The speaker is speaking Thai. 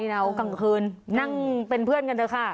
ไม่นอนถ้าได้นอนกลางวันยาวนี่นะกลางคืนนั่งเป็นเพื่อนกันด้วยค่ะ